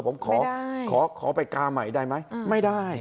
ผมขอขอไปกาใหม่ได้ไหมไม่ได้